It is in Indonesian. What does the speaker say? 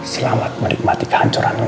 selamat menikmati kehancuran lu al